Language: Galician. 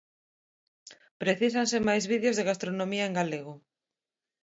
Precísanse máis vídeos de gastronomía en galego.